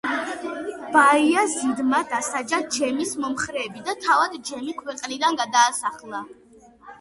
ბაიაზიდმა დასაჯა ჯემის მომხრეები და თავად ჯემი ქვეყნიდან გადაასახლა.